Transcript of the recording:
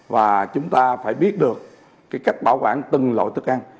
và chúng ta phải biết được cách bảo quản từng loại thức ăn